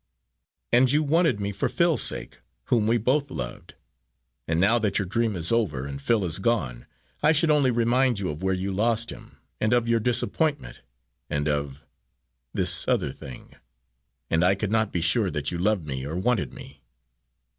"And you wanted me for Phil's sake, whom we both loved; and now that your dream is over, and Phil is gone, I should only remind you of where you lost him, and of your disappointment, and of this other thing, and I could not be sure that you loved me or wanted me."